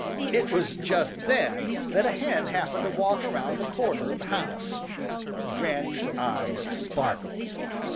It was just then that a hen happened to walk around the corner of the house. Granny's eyes sparkled.